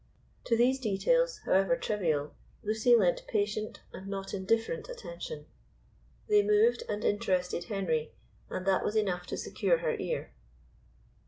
To these details, however trivial, Lucy lent patient and not indifferent attention. They moved and interested Henry, and that was enough to secure her ear.